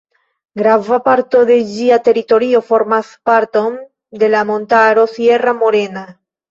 Grava parto de ĝia teritorio formas parton de la montaro Sierra Morena.